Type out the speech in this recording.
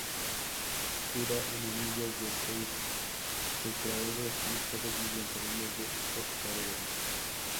Estructura en anillos de seis tetraedros conectados mediante bandas de octaedros.